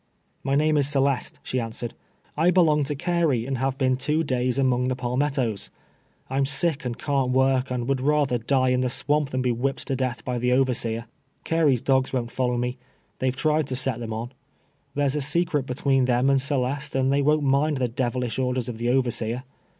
" My name is Celeste," she answered. " I belong to Carey, and have been two days among the pal mettoes. I am sick and can't work, and would rather die in the swamj) than be whipped to death by the overseer. Carey's dogs won't follow me. They have tried to set them on. There's a secret between them and Celeste, and they wont mind the devilish orders of the overseer.